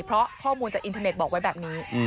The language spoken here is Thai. เพราะข้อมูลจากอินเทอร์เน็ตบอกไว้แบบนี้